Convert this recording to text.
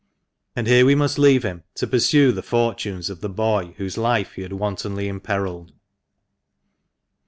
And here we must leave him, to pursue the fortunes of the boy whose life he had wantonly imperilled.